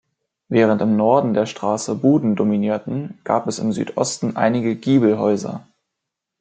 Während im Norden der Straße Buden dominierten, gab es im Südosten einige Giebelhäuser.